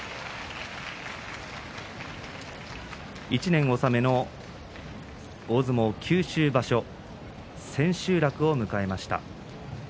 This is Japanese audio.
１年納めの大相撲九州場所千秋楽を迎えました。